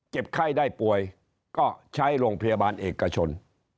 ไข้ได้ป่วยก็ใช้โรงพยาบาลเอกชน